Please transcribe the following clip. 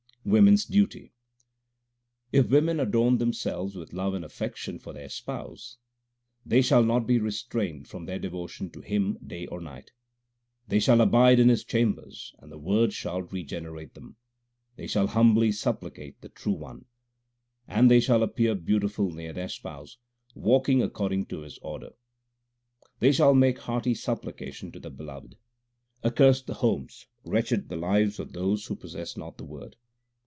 Women s duty : If women adorn themselves with love and affection for their Spouse, They shall not be restrained from their devotion to Him day or night. They shall abide in His chambers, and the Word shall regenerate them ; They shall humbly supplicate the True One ; And they shall appear beautiful near their Spouse, walking according to His order. They shall make hearty supplication to the Beloved. Accursed the homes, wretched the lives of those who possess not the Word.